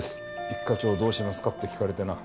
一課長どうしますか？」って聞かれてな。